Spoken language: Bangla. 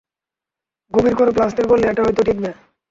গভীর করে প্লাস্টার করলে এটা হয়তো টিকবে।